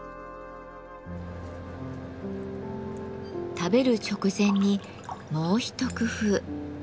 食べる直前にもう一工夫。